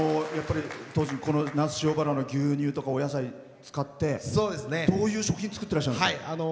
この那須塩原の牛乳とかお野菜を使ってどういう食品作ってらっしゃるんですか。